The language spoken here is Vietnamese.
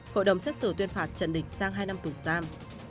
hội đồng xét xử tuyên phạt trần đình sang hai năm tù giam